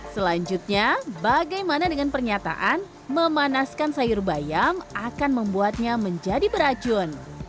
selanjutnya bagaimana dengan pernyataan memanaskan sayur bayam akan membuatnya menjadi beracun